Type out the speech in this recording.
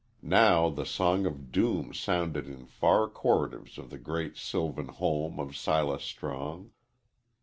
Now the song of doom sounded in far corridors of the great sylvan home of Silas Strong.